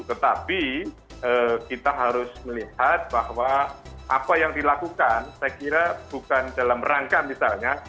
tetapi kita harus melihat bahwa apa yang dilakukan saya kira bukan dalam rangka misalnya